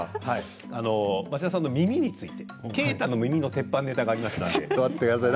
町田さんの耳について啓太さんの耳の鉄板ネタがありました。